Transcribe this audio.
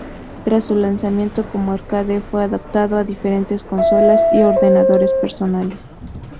Tras su lanzamiento como arcade fue adaptado a diferentes consolas y ordenadores personales.